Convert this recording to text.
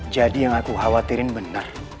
jadi yang aku khawatirin benar